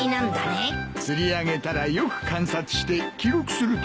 釣り上げたらよく観察して記録するといい。